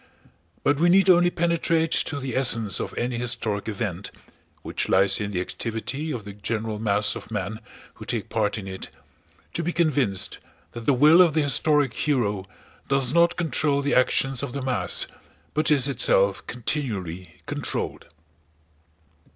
But we need only penetrate to the essence of any historic event—which lies in the activity of the general mass of men who take part in it—to be convinced that the will of the historic hero does not control the actions of the mass but is itself continually controlled.